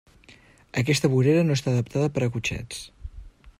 Aquesta vorera no està adaptada per a cotxets.